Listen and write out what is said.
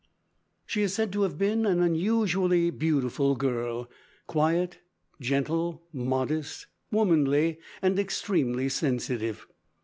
She is said to have been an unusually beautiful girl, quiet, gentle, modest, womanly, and extremely sensitive.